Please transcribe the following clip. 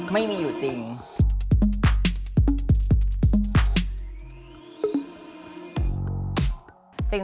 ไม่มีอยู่จริง